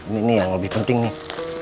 nah ini yang lebih penting nih